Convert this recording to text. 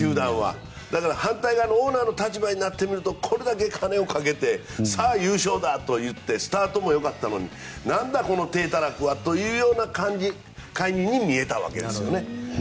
だから、反対側のオーナーの立場になってみるとこれだけ金をかけてさあ優勝だといってスタートも良かったのになんだ、この体たらくはという解任になったわけですね。